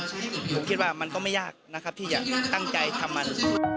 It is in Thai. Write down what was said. ทีนี้ผมคิดว่ามันก็ไม่ยากนะครับที่จะตั้งใจทำมัน